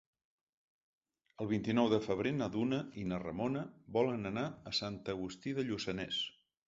El vint-i-nou de febrer na Duna i na Ramona volen anar a Sant Agustí de Lluçanès.